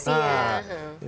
cepat bereaksi ya